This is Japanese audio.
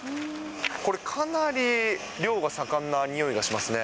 これ、かなり漁が盛んなにおいがしますね。